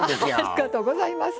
ありがとうございます。